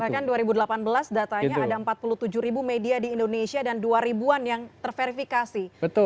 bahkan dua ribu delapan belas datanya ada empat puluh tujuh ribu media di indonesia dan dua ribu an yang terverifikasi